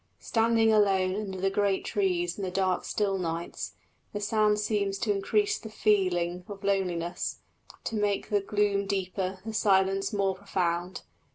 Standing alone under the great trees in the dark still nights, the sound seems to increase the feeling of loneliness, to make the gloom deeper, the silence more profound.